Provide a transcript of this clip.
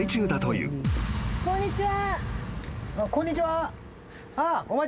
こんにちは。